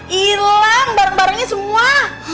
hilang barang barangnya semua